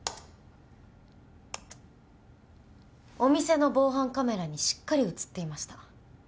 お店の防犯カメラにしっかり映っていました。